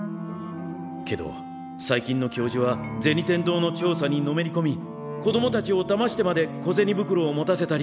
けど最近の教授は銭天堂の調査にのめりこみ子供たちをだましてまで小銭袋を持たせたり。